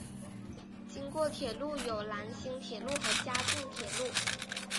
经过铁路有兰新铁路和嘉镜铁路。